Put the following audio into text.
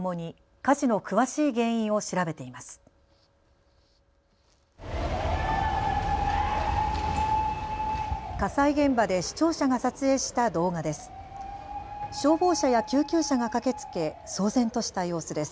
火災現場で視聴者が撮影した動画です。